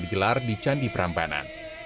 digelar di candi prambanan